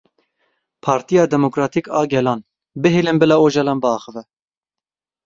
Partiya Demokratîk a Gelan; bihêlin bila Ocalan biaxive.